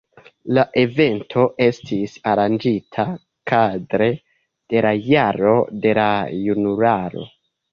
La evento estis aranĝita kadre de la Jaro de la Junularo.